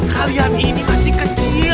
kalian ini masih kecil